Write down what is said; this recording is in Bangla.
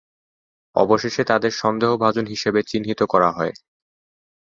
অবশেষে তাদের সন্দেহভাজন হিসেবে চিহ্নিত করা হয়।